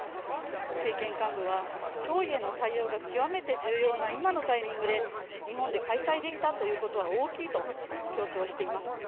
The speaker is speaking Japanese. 政権幹部は、脅威への対応が極めて重要な今のタイミングで日本で開催できたということは大きいと強調しています。